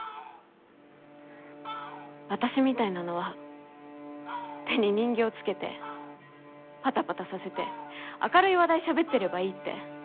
私みたいなのは手に人形つけてパタパタさせて明るい話題しゃべってればいいって。